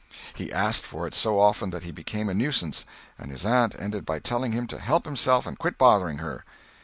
He asked for it so often that he became a nuisance, and his aunt ended by telling him to help himself and quit bothering her.